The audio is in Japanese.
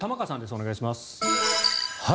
お願いします。